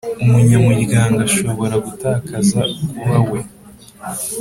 Umunyamuryango ashobora gutakaza kuba we